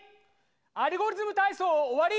「アルゴリズムたいそう」おわり！